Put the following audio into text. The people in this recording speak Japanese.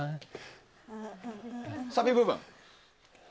サビ部分？